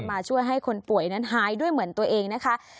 มาช่วยให้คนป่วยนั้นหายด้วยเหมือนตัวเองนะคะ